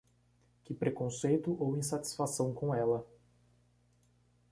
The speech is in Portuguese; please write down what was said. Que preconceito ou insatisfação com ela